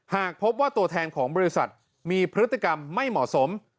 หากพบว่าตัวแทนของบริษัทมีพฤติกรรมไม่เหมาะสม